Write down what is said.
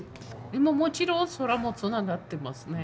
もちろん空もつながってますね。